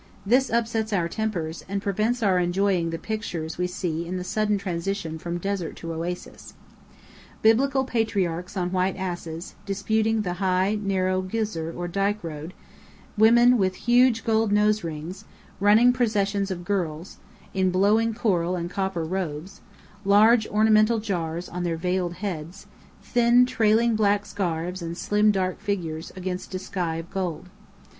This upsets our tempers, and prevents our enjoying the pictures we see in the sudden transition from desert to oasis. Biblical patriarchs on white asses, disputing the high, narrow "gisr" or dyke road; women with huge gold nose rings; running processions of girls, in blowing coral and copper robes, large ornamental jars on their veiled heads, thin trailing black scarves and slim figures dark against a sky of gold.